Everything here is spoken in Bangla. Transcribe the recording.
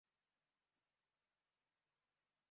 ও আমাদের একটা মন্তব্য কার্ড পূরণ করতে বলছে।